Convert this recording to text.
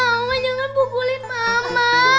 amaa jangan bukulin mama